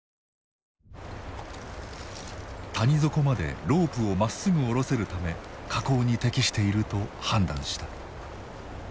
谷底までロープをまっすぐ下ろせるため下降に適していると判断した。